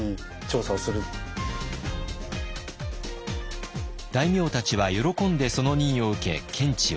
大名たちは喜んでその任を受け検地を実施。